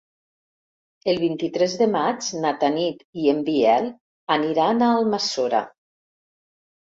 El vint-i-tres de maig na Tanit i en Biel aniran a Almassora.